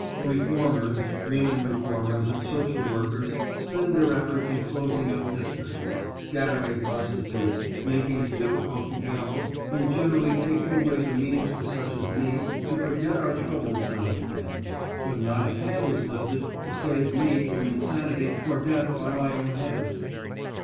Reformers, women reformers and social workers spend their efforts in closing up districts, scattering prostitutes, making it difficult to gamble and generally taking away the means for such as me to forget our troubles now and again, but not a hand is lifted to save me from insanity or death by my own hand.